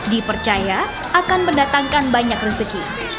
dipercaya akan mendatangkan banyak rezeki